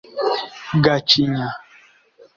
Gacinya